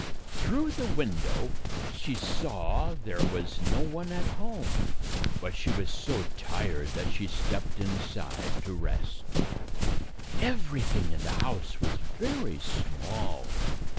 Through the window she saw there was no one at home, but she was so tired that she stepped inside to rest. Everything in the house was very small.